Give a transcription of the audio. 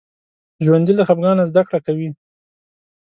ژوندي له خفګانه زده کړه کوي